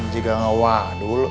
jika gak wah dulu